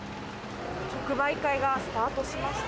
直売会がスタートしました。